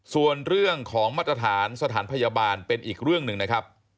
ส่วนเรื่องของมาตรฐานสถานพยาบาลเป็นอีกเรื่องหนึ่งนะครับ